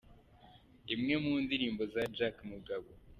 Imwe mu ndirimbo za Jacky Mugabo.